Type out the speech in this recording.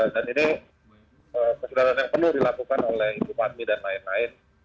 dan ini kesederhan yang perlu dilakukan oleh ibu padmi dan lain lain